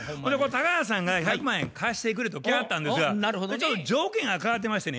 高橋さんが１００万円貸してくれと来はったんですがちょっと条件が変わってましてね。